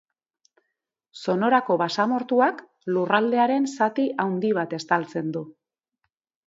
Sonorako basamortuak lurraldearen zati handi bat estaltzen du.